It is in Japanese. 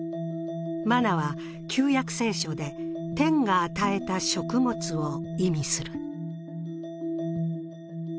マナは旧約聖書で天が与えた食物を意味する。